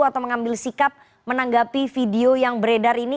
atau mengambil sikap menanggapi video yang beredar ini